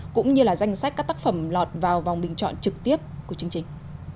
cũng như là danh sách các tác phẩm lọt vào vòng bình chọn trực tiếp của chương trình